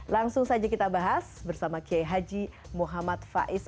langsung saja kita bahas bersama kiai haji muhammad faiz